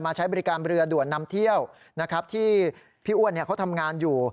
ใช้บริการเรือด่วนนำเที่ยวนะครับที่พี่อ้วนเขาทำงานอยู่